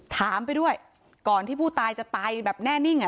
ถามไปด้วยก่อนที่ผู้ตายจะตายแบบแน่นิ่งอ่ะ